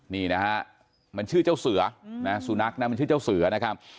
นี่นะฮะมันชื่อเจ้าเสือนะสุนัขนะมันชื่อเจ้าเสือนะครับ